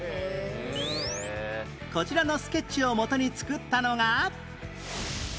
こちらのスケッチをもとに作ったのが